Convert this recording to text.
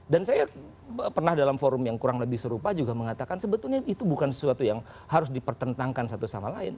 dan saya pernah dalam forum yang kurang lebih serupa juga mengatakan sebetulnya itu bukan sesuatu yang harus dipertentangkan satu sama lain